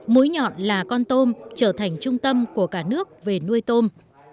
mũi nhọn là con tôm trở thành trung tâm của cả nước về nuôi tôm